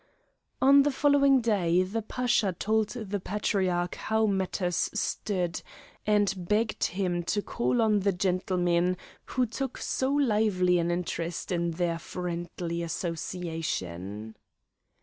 On the following day the Pasha told the Patriarch how matters stood, and begged him to call on the gentlemen who took so lively an interest in their friendly association.